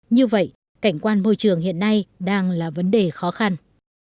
như vậy cảnh quan môi trường hiện nay đang là vấn đề khó khăn